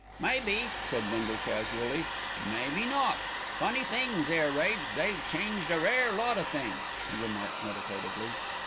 "May be," said Bindle casually, "may be not. Funny things, air raids, they've changed a rare lot o' things," he remarked meditatively.